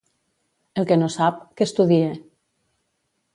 El que no sap, que estudie.